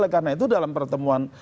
karena itu dalam pertemuan